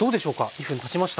２分たちました。